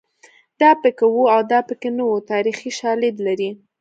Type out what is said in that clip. دا پکې وو او دا پکې نه وو تاریخي شالید لري